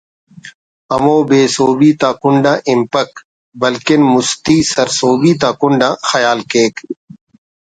ہمو بے سہبی تا کنڈ آ ہنپک بلکن مستی سرسہبی تا کنڈ آ خیال کیک